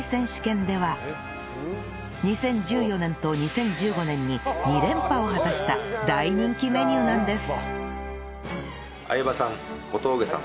２０１４年と２０１５年に２連覇を果たした大人気メニューなんです